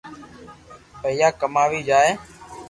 پييا ڪماوي جائي